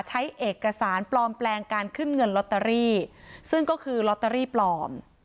ใช้เอกสารปลอมแปลงการขึ้นเงินลอตเตอรี่ซึ่งก็คือลอตเตอรี่ปลอม